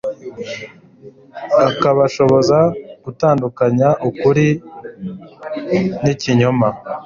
ikabashoboza gutandukanya ukuri n'ikinyoma